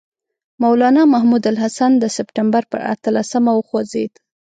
مولنا محمود الحسن د سپټمبر پر اتلسمه وخوځېد.